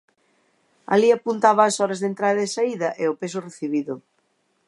Alí apuntaba as horas de entrada e saída e o peso recibido.